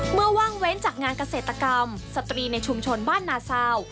ว่างเว้นจากงานเกษตรกรรมสตรีในชุมชนบ้านนาซาว